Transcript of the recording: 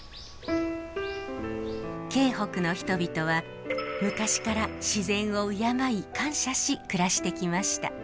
京北の人々は昔から自然を敬い感謝し暮らしてきました。